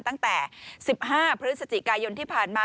ตั้งแต่๑๕พฤศจิกายนที่ผ่านมา